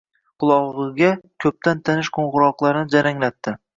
Qulog’iga ko’pdan tanish qo’ng’iroqlarini jaranglatdi.